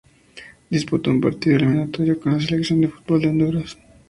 Disputo un partido eliminatorio con la Selección de fútbol de Honduras.